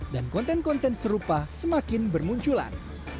dan konten konten serupa semakin bermunculan